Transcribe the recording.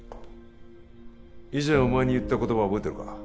以前お前に言った言葉覚えてるか？